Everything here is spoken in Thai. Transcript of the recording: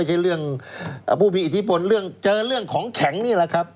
แต่ผู้พิอิทธิบนเจอเรื่องของแข็งนี่แหละครับ